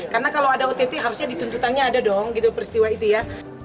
karena kalau ada ott harusnya di tuntutannya ada dong peristiwa itu ya